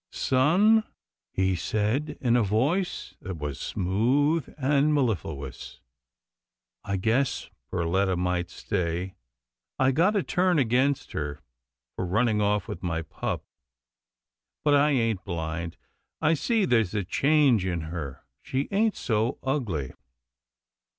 " Son," he said in a voice that was smooth and mellifluous, " I guess Perletta might stay. I got a turn against her for running off with my pup, but I ain't blind. I see there's a change in her. She ain't so ugly."